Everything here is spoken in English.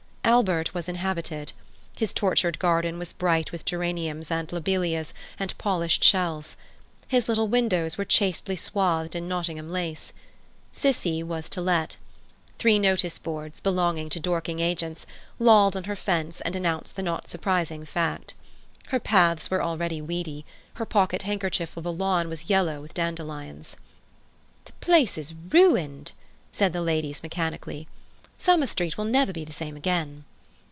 "Albert" was inhabited. His tortured garden was bright with geraniums and lobelias and polished shells. His little windows were chastely swathed in Nottingham lace. "Cissie" was to let. Three notice boards, belonging to Dorking agents, lolled on her fence and announced the not surprising fact. Her paths were already weedy; her pocket handkerchief of a lawn was yellow with dandelions. "The place is ruined!" said the ladies mechanically. "Summer Street will never be the same again."